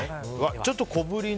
ちょっと小ぶりな。